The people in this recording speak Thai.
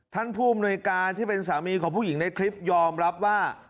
ท่านผู้อำนวยการที่เป็นสามีของผู้หญิงในคลิปยอมรับว่า